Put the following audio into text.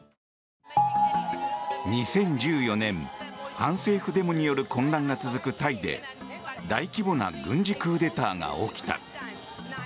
２０１４年、反政府デモによる混乱が続くタイで大規模な軍事クーデターが起きた。